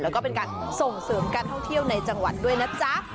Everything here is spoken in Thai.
แล้วก็เป็นการส่งเสริมการท่องเที่ยวในจังหวัดด้วยนะจ๊ะ